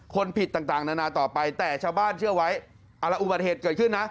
คนผิดต่างนานาต่อไปแต่ชาวบ้านเชื่อไว้อุบัติเหตุเกิดขึ้นนะ